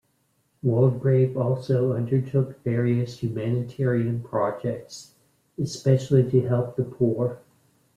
Waldegrave also undertook various humanitarian projects, especially to help the poor.